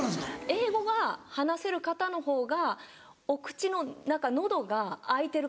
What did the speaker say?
英語が話せる方のほうがお口の喉が開いてる方が多いです。